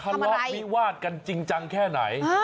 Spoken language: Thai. คือทะล็อคมีวาดกันจริงจังแค่ไหน